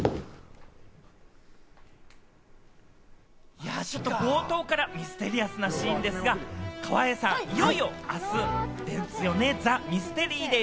いや、ちょっと冒頭からミステリアスなシーンですが、川栄さん、いよいよあすですよね、『ＴＨＥＭＹＳＴＥＲＹＤＡＹ』。